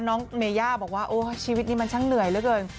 น้องเมย่าบอกว่าโอ้ชีวิตนี้มันช่างเหนื่อยเหลือเกิน